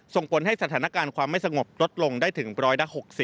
ส่งผลให้สถานการณ์ความไม่สงบลดลงได้ถึง๑๖๐